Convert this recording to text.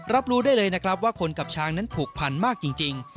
รับรู้ได้เลยนะครับว่าคนกับช้างนั้นผูกพันมากจริง